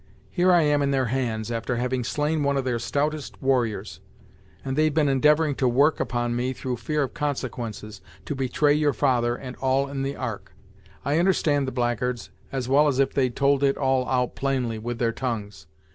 Here I am in their hands, after having slain one of their stoutest warriors, and they've been endivouring to work upon me through fear of consequences, to betray your father, and all in the Ark. I understand the blackguards as well as if they'd told it all out plainly, with their tongues.